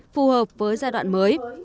phù hợp với giai đoạn mới